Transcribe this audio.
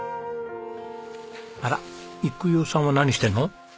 あらっ育代さんは何してんの？